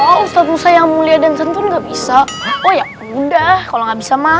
oh status saya yang mulia dan tentu nggak bisa oh ya udah kalau nggak bisa mah